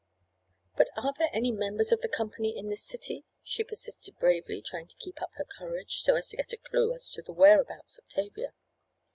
"But are there any members of the company in this city?" she persisted bravely, trying to keep up her courage, so as to get a clue as to the whereabouts of Tavia.